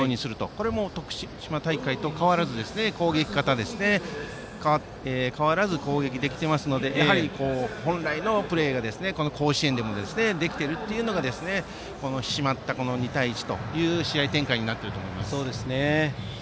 これも徳島大会と変わらず攻撃できていますので本来のプレーがこの甲子園でもできているというのが締まった２対１という試合展開になっていると思います。